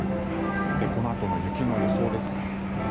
このあとの雪の予想です。